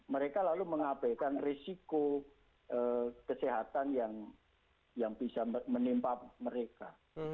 mereka lalu mengabaikan risiko kesehatan yang bisa menimpa mereka